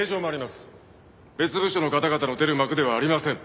別部署の方々の出る幕ではありません。